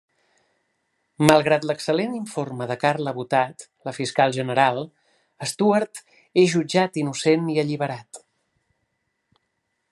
Malgrat l'excel·lent informe de Carla Botat, la fiscal general, Stuart és jutjat innocent i alliberat.